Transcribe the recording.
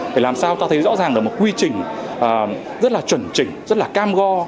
để làm sao ta thấy rõ ràng là một quy trình rất là chuẩn trình rất là cam go